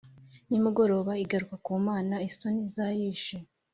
nimugoroba igaruka ku mana isoni zayishe,